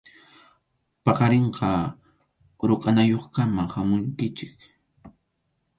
Paqarinqa rukʼanayuqkama hamunkichik.